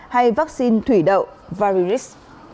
hay vaccine thủy đậu varirix